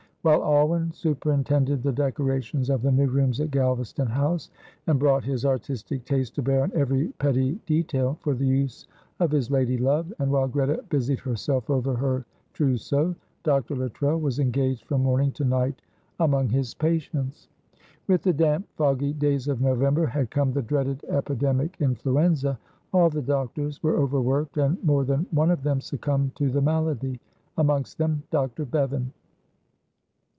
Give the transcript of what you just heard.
While Alwyn superintended the decorations of the new rooms at Galvaston House, and brought his artistic taste to bear on every petty detail for the use of his lady love, and while Greta busied herself over her trousseau, Dr. Luttrell was engaged from morning to night among his patients. With the damp, foggy days of November had come the dreaded epidemic, influenza. All the doctors were overworked, and more than one of them succumbed to the malady, amongst them Dr. Bevan.